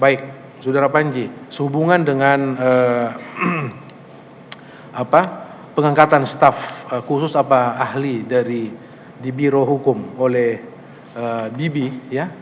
baik saudara panji sehubungan dengan pengangkatan staff khusus atau ahli dari di biro hukum oleh bibi ya